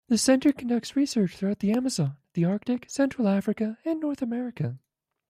The Center conducts research throughout the Amazon, the Arctic, central Africa, and North America.